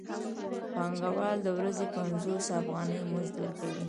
پانګوال د ورځې پنځوس افغانۍ مزد ورکوي